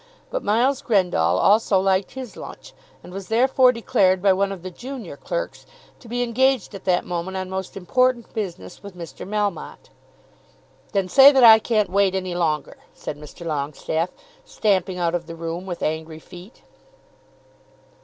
But Miles Grendall also liked his lunch, and was therefore declared by one of the junior clerks to be engaged at that moment on most important business with Mr. Melmotte. "Then say that I can't wait any longer," said Mr. Longestaffe, stamping out of the room with angry feet.